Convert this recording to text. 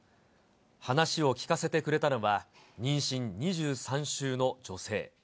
話を聞かせてくれたのは、妊娠２３週の女性。